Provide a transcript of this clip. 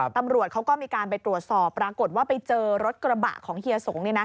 ตำรวจเขาก็มีการไปตรวจสอบปรากฏว่าไปเจอรถกระบะของเฮียสง